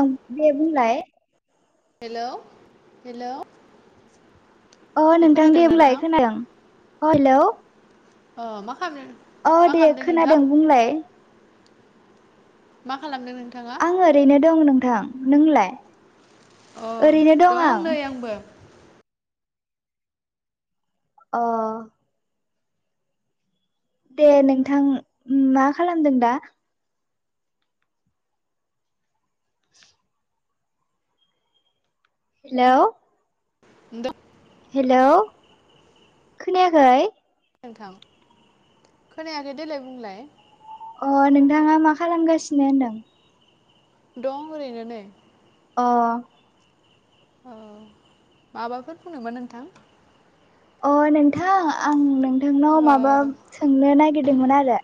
ओं दे बुंलाय हेलौ हेलौ अ नोंथां दे खोनादोंना नोंथां बुंलाय खोनादों। अ हेलौ अ मा खालामदों अ मा दे खालामदों नोंथां खोनादों बुंलाय मा खालामदों नों आं ओरैनो दं नोंथां नोंलाय? अ ओरैनो आं दं नै आंबो अ दे नोंथां मा खालामदों दा? [inaudible] हेलौ [unintelligible] हेलौ खोनायाखै? नोंथां खोनायाखै देलाय बुंलाय। अ नोंथाङा मा खालामगासिनो होनदों दं ओरैनो नै। अ। औ माबाफोर बुंनोमोन नोंथां अ नोंथां आं नोंथांनाव माबा ओ सोंनो नागिरदोंमोन आरो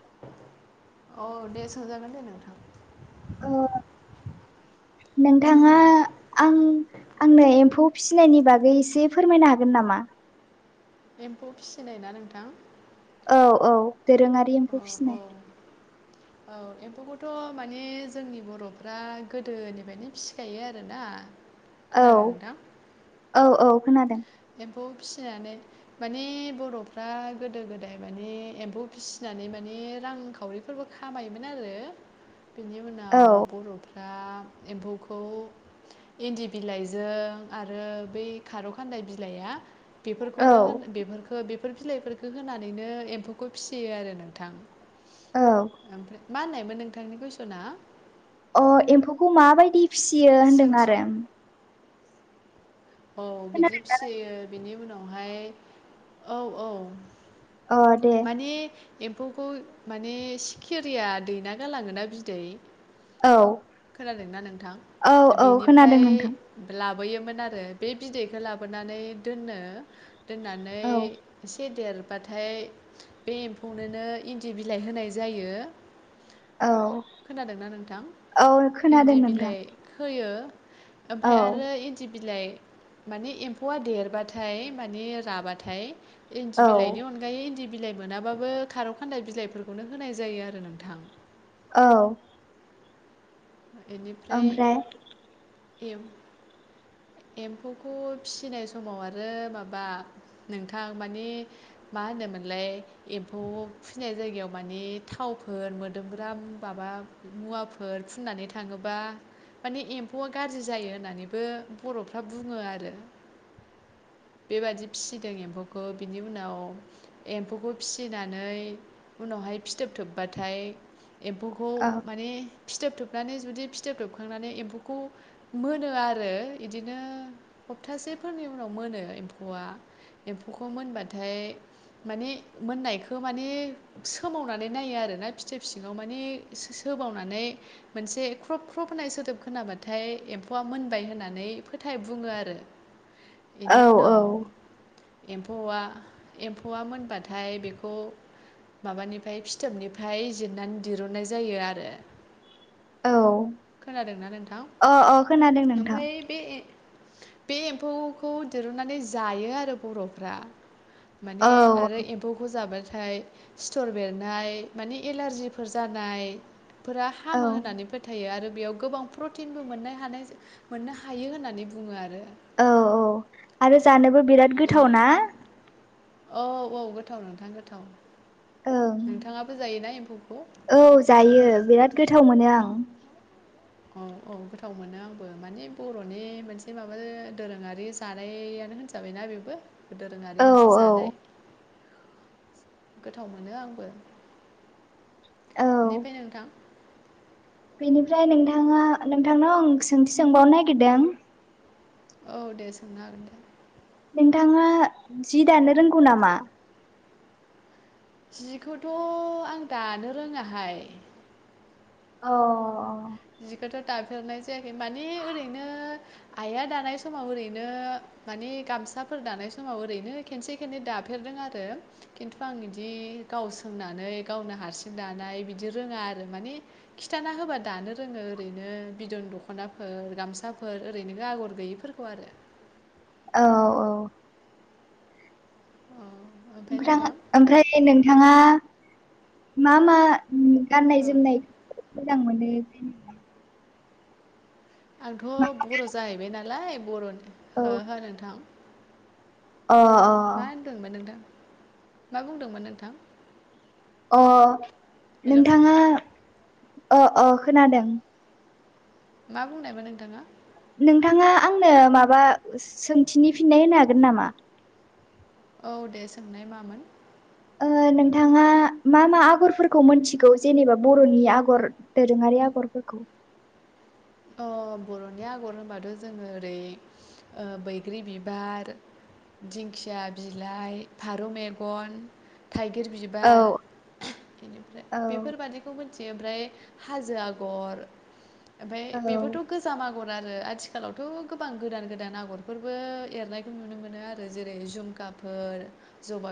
औ दे सोंजागोन दे नोंथां। ओ औ नोंथाङा आं आंनो एम्फौ फिसि नायनि बागै एसे फोरमायनो हागोन नामा? एम्फौ फिसिनाय ना नोंथां? औ औ दोरोङारि औ एम्फौ औ फिसिनाय। औ एम्फौखौथ' माने जोंनि बर'फ्रा गोदोनिफ्रायनो फिसिखायो आरो ना। औ औ औ खोनादों। एम्फौ फिसिनानै माने बर'फ्रा गोदो गोदाय माने एम्फौ फिसिनानै माने ने रांखावरिफोरबो खामायोमोन आरो बेनि औ उनाव बर' [inaudible] एम्फौखौ इन्दि बिलाइजों आरो बै खारौ खानदाय बि लाया औ बेफोरखौनो होनो बेफोरखो बे फोर बिलाइफोरखो होनानैनो एम्फौखो फिसियो आरो नोंथां। औ ओमफ्राय मा होननायमोन नोंथांनि कुइसना। अ एम्फौखौ माबायदि फिसियो होनदों सोंथि आरो औ बिदि खोनादों फिसियो। बिनि उनावहाय औ औ। अ दे माने एम्फौखौ माने सिखेरिया दैना गालांङो ना बिदै औ। खोनादों ना नोंथां? औ औ खोनादों बेनिफ्राय नोंथां [unintelligible] ग'योमोन आरो बे बिदैखो लाबोनानै दोनो। दोननानै औ एसे देरबाथाय बे एम्फौनोनो इन्दि बिलाइ होनाय जायो। औ खोनादों ना नोंथां? औ खोनादों इन्दि नोंथां बिलाइ होयो ओमफाय औ आरो इन्दि बिलाइ माने एम्फौवा देरबाथाय माने राबाथाय इन्दि औ बिलाइनि अनगायै इन्दि बिलाइ मोनाबाबो खारौ खान्दाय बिलाइफोरखौनो होनाय जायो आरो नोंथां। औ। बेनिफ्राय ओमफ्राय एम [inaudible] एम्फौखौ फिसिनाय समाव आरो माबा नोंथां माने मा होनो मोनलाय एम्फौ फिसिनाय जायगायाव माने थावफोर मोदोमग्राम बाबा मुवाफोर फुननानै थाङोबा माने एम्फौआ गाज्रि जायो होननानैबो बर'फ्रा बुङो आरो [unintelligible] बेबादि फिसिदों एम्फौखो। बिनि उनाव एम्फौखौ फिसिनानै उनाव हाय फिथोब थोबबाथाय एम्फौखौ औ माने फिथोब थोबनानै जुदि फिथोब थोबखांनानै एम्फौखौ मोनो आरो इदिनो सप्तासेफोरनि उनाव मोनो एम्फौवा। एम्फौखौ मोनबाथाय माने मोननायखो माने सोमावनानै नायो आरो ना फिथोब सिंङाव माने सो-सो मावनानै मोनसे ख्रब ख्रब होननाय सोदोब खोनाबाथाय एम्फौआ मोनबाय होननानै फोथाय बुङो आरो [inaudible] औ बेनि औ उनाव एम्फौआ एम्फौआ मोनबाथाय बेखौ माबानिफ्राय फिथोबनिफ्राय जिरनानै दिहुनन्नाय जायो आरो औ खोनादोंना नोंथां अ अ खोनादों नोंथां ओमफ्राय बे बे एम्फौ खौ दिरुननानै जायो आरो बर'फ्रा माने औ आरो एम्फौ खौ जाबा नाथाय सिथर बेरनाय मान एलारजिफोर जानाय फोरा औ हामो होननानै फोथायो आरो बेयाव गोबां प्रटिनबो मोननो हानाय मोननो हायो होननानै बुङो आरो औ औ आरो जानोबो बिराद गोथाव बेनिफ्राय ना? औ औ गोथाव नोंथां गोथाव ओं नोंथाङाबो जायोना एमफौ? औ जायो बिराद गोथाव मोनो आं। औ औ गोथाव मोनो आंबो माने बर'नि मोनसे माबा दोरोङारि जानाया बेनो होनजाबायना बेबो औ दोरोङारि मोनसे जानाय। गोथाव मोनो आंबो औ बेनिफ्राय नोंथां बेनिफ्राय नोंथाङा नोंथांनाव आं सोंथि सोंबावनो नागिरदों औ दे सोंनो हागोन दे नोंथाङा जि दानो रोंगौ नामा? जिखौथ' आं दानो रोङाहाय। अ अ जिखौथ' दाफेरनाय जायाखै माने ओरैनो आइआ दानाय समाव ओरैनो माने गामसाफोर दानाय समाव ओरैनो खेनसे खेननै दाफेरदों आरो खिन्थु आं इदि गाव सोंनानै गावनो हारसिं दानाय बिदि रोङा आरो माने खिथाना होबा दानो रोङो ओरैनो बिद'न दख'नाफोर गामसाफोर ओरैनो आगर गैयिफोरखौ आरो [inaudible] औ औ अ ओमफ्राय ओमफ्रा नोंथां ओमफ्राय नोंथाङा मा मा ओम गाननाय अ जोमनायखौ मोजां मोनो? आंथ' बर' जाहैबाय नालाय बर'नि औ हो हो नोंथां अ मा अ होनदोंमोन नोंथां मा बुंदोंमोन नोंथां? अ हेल' नोंथाङा अ अ खोनादों मा बुंनायमोन नोंथाङा? नोंथाङा आंनो माबा सोंथिनि फिननाय होनो हागोन नामा? औ दे सोंनाय मामोन? ओ नोंथाङा मा मा आगरफोरखौ मोनथिगौ जेनेबा बर'नि आगर दोरोङारि आगर? आगर फोरखौ अ बर'नि आगर होनबाथ' जोङो ओरै ओ बैग्रि बिबार दिंखिया बिलाइ फारौ मेगन। थाइगिर औ बिबार बेनिफ्राय औ बेफोरबादिखौ मोन बियो ओमफ्राय हाजो आगर औ बेबोथ' गोजाम आगर आरो आथिखालावथ' गोबां गोदान गोदान आगरफोरबो एरनायखौ नुनो मोनो आरो जेरै जुमखा फोर जबा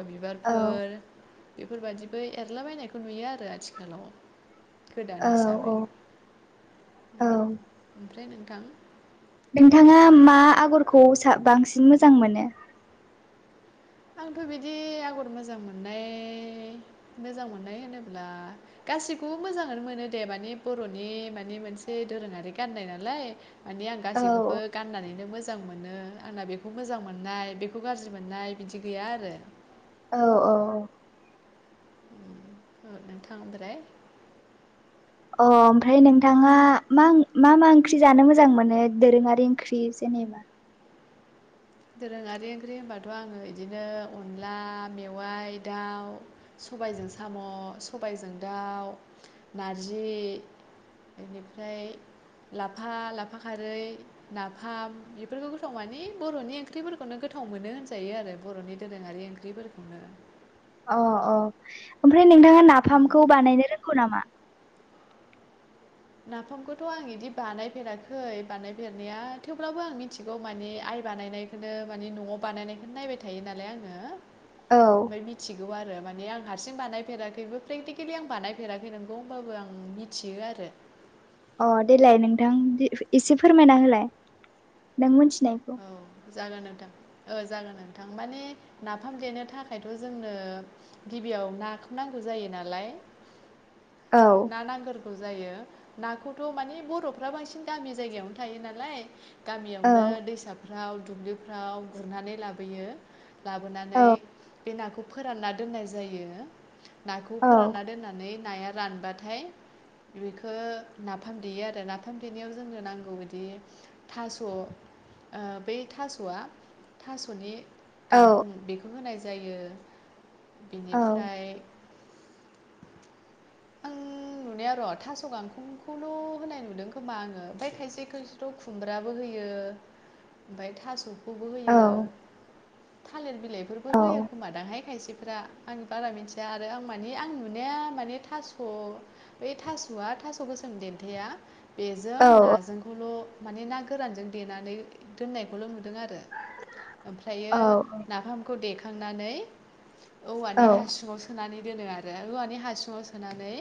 औ बिबारफोर बेफोरबादिबो एरलाबायनायखौ नुयो आरो आथिखालाव गोदान औ औ हिसाबै उम ओमफ्राय नोंथां नोंथांङा मा आगरखौ सा बांसिन मोजां मोनो आंथ' बिदि आगर मोजां मोननाय मोजां मोननाय होनोब्ला गासैखौबो मोजाङानो मोनो दे माने बर'नि माने मोनसे दोरोङारि गाननाय नालाय माने आं औ गासैखौबो गाननानैनो मोजां मोनो आंना बेखौ मोजां मोननाय बेखौ गाज्रि मोननाय बिदि गैया आरो औ औ औ औ नोंथां ओमफ्राय अ ओमफ्राय नोंथांङा मा मा मा ओंख्रि जानो मोजां मोनो दोरोङारि ओंख्रि जेनबा जेनेबा। दोरोङारि ओंख्रि होनबाथ' आंङो बिदिनो अनला मेवाय दाउ सबायजों साम' सबायजों दाउ नारजि बेनिफ्राय लाफा लाफा खारै नाफाम बेफोरखौ गोथाव माने बर'नि ओंख्रिफोरखौनो गोथाव मोनो होनजायो आरो बर'नि दोरोङारि ओंख्रिफोरखौनो अ अ ओमफ्राय नोंथांङा नाफामखौ बानायनो रोंगौ नामा नाफामखौथ' आं बिदि बानायफेराखै बानायफेरनाया थेवब्लाबो आं मिथिगौ माने आइ बानायनायखौनो माने न'आव बानायनायखौनो नायबाय थायो नालाय आंङो औ ओमफ्राय मिथिगौ आरो मा माने आं हारसिं बानायफेराखैबो प्रेकटिकेलि आं बानायफेराखै नोंगौ होमबाबो आं मिथियो आरो अ देलाय नोंथां एसे फोरमायना होलाय नों मिथि औ जागोन नोंथां ओ जागोन नोंथां माने नाफाम देनो थाखायथ' जोंनो गिबियाव नाखौ नांगौ। जायो नालाय [inaudible] ना नांगोरगौ जायो नाखौथ' माने बर'फ्रा बांसिन गामि जायगायावनो थायो नालाय औ गामियावनो दैसाफ्राव दुब्लिफ्राव गुरनानै लाबोयो लाबोनानै औ बे नाखौ फोरानना दोननाय जायो नाखौ औ फोरानना दोननानै नाया रानबाथाय बेखौ नाफाम देयो आरो नाफाम देनायाव जोंनो नांगौ बिदि थास' ओ बै थास'आ थास'नि गांखं बेखौ होनाय जा जायो औ बिनिफ्राय [inaudible] आं नुनाया र' थास' गांखंखौल' होनाय नुदों खोमा आंङो ओमफ्राय खायसे खायसेथ' खुमब्राबो होयो। होयो ओमफ्राय थास' औ। थालिर बिलाइफोरबो औ होयो खोमा दांहाय खायसे फ्रा आं बारा मिथिया आरो आं माने आं नुनाया माने थास' बे थास'आ थास' गोसोम देन्थाया औ बेजों नाजोंखौल' माने ना गोरानजों देनानै दोननायखौल' नुदों दों आरो औ ओमफ्रायो नाफामखौ देखांनानै औ औवानि हासुङाव सोनानै दोनो आरो औवानि हासुङाव सोनानै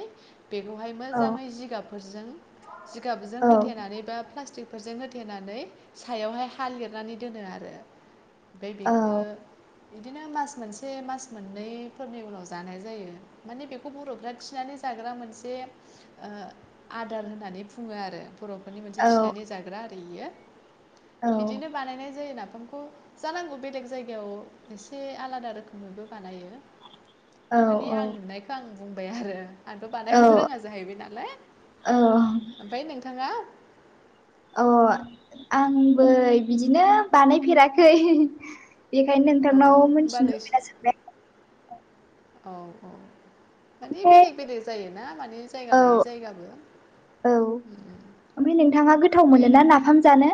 बेखौहाय औ मोजाङै जिगाबफोरजों- जिगाबजों औ होथेनानै बा प्लास्टिक फोरजों होथेनानै, सायावहाय हा लिरनानै दोनो आरो ओमफ्राय बेखौ बिदिनो मास मोनसे, मास मोननैफोरनि उनाव जानाय जायो माने बेखौ बर'फ्रा थिनानै जाग्रा मोनसे आदार होननानै बुङो आरो। बर'फोरनि मोनसे थिनानै जाग्रा आरो इयो औ बिदिनो बानायनाय जायो नामा ओंखामखौ जानांगौ बेलेग जायगायाव एसे आलादा रोखोमैबो बानायो माने आं नुनायखौ आं बुंबाय आरो आंथ औ बानायनोबो रोङा जाहैबाय नालाय अ ओमफाय नोंथाङा अ आंबो बिदिनो बानायफेराखै बेखायनो औ नोंथांनाव होमबा मोन्थिनो नोंसि लुबैना सोंबाय औ औ माने ओमफ्राय बेलेग बेलेग जायोना माने जायगा औ लायै जायगाबो औ उम, ओमफाय नोंथाङा गोथाव दे मोनो ना नों नाफाम जानो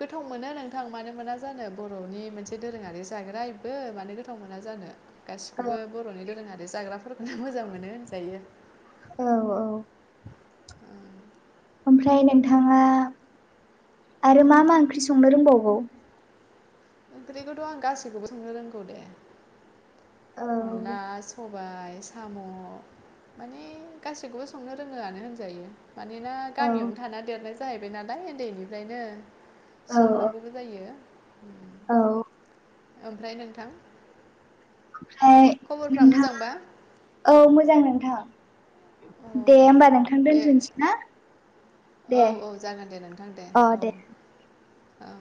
गोथाव मोनो नोंथां मानो मोना जानो बर'नि मोनसे दोरोङारि जाग्रा इबो मानो गोथाव मोना जा औ गासिखौबो बर'नि दोरोङारि जाग्राफोरखौनो मोजां मोनो होनजायो। औ औ ओं ओमफाय नोंथाङा औ आरो मा मा ओंख्रि संनो रोंबावगौ ओंख्रिखौथ' आं गासिखौबो संनो रोंगौ दे औ अनला स बाइ साम' माने गासिखौबो संनो रोङोआनो होनजायो। मानोना औ गामियावनो थाना देरनाय जाहैबाय नालाय ओन्दैनिफ्रायनो औ संनांगौबो जायो औ ओमफ्राय नोंथां ओमफाय खबरफ्रा मोजांबा नोंथाङा औ मोजां नोंथां औ दे औ होमबा नोंथां दे दोनथ'सै ना औ दे औ जागोन दे नोंथां दे औ औ